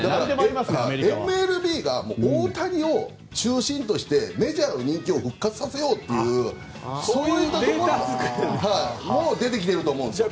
ＭＬＢが大谷を中心としてメジャーの人気を復活させようという動きも出てきていると思います。